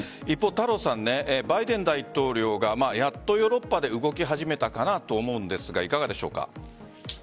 一方、バイデン大統領がやっとヨーロッパで動き始めたかなと思うんですがいかがでしょうか？